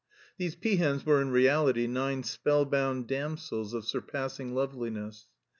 These peahens were in reality nine spellbound damsels of surpassing loveliness.